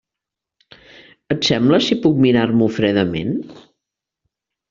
¿Et sembla si puc mirar-m'ho fredament?